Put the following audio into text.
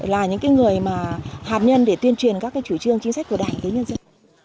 là những người hạt nhân để tuyên truyền các chủ trương chính sách của đảng với nhân dân